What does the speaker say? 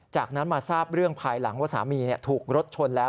จากนั้นมาทราบเรื่องภายหลังว่าสามีถูกรถชนแล้ว